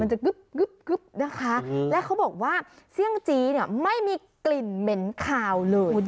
มันจะกึบนะคะและเขาบอกว่าเสี้ยงจี้ไม่มีกลิ่นเหม็นขาวเลย